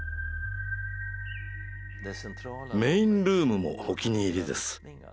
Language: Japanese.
メインルームもお気に入りです。